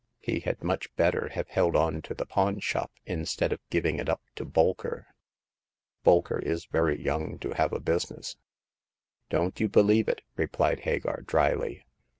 He had much better have held on to the pawn shop, instead of giving it up to Bolker." " Bolker is very young to have a business." " Don't you believe it," replied Hagar, drily.